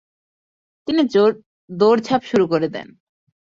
তিনি দৌড়ঝাঁপ শুরু করে দেন।